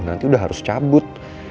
nanti udah harus cabut